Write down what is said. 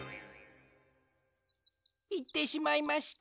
いってしまいました。